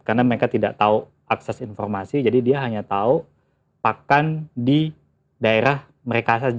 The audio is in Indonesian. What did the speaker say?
karena mereka tidak tahu akses informasi jadi dia hanya tahu pakan di daerah mereka saja